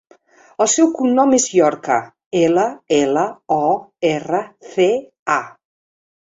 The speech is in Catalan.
El seu cognom és Llorca: ela, ela, o, erra, ce, a.